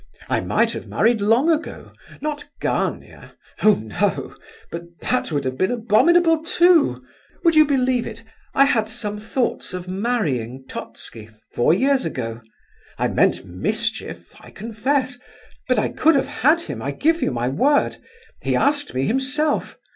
I might have married long ago, not Gania—Oh, no!—but that would have been abominable too. "Would you believe it, I had some thoughts of marrying Totski, four years ago! I meant mischief, I confess—but I could have had him, I give you my word; he asked me himself.